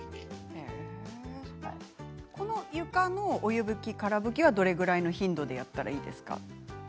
床のお湯拭き、から拭きはどれくらいの頻度でやればいいですか？